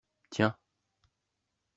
Tiens.